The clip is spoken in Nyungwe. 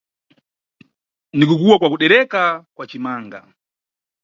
Ni kukuwa kwa kudereka kwa cimanaga.